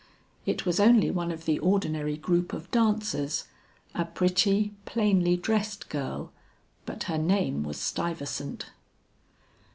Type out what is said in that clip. It was only one of the ordinary group of dancers, a pretty, plainly dressed girl, but her name was Stuyvesant.